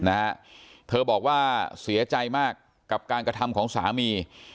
นะฮะเธอบอกว่าเสียใจมากกับการกระทำของสามี